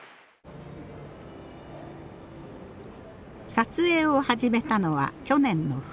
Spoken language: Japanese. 撮影を始めたのは去年の冬。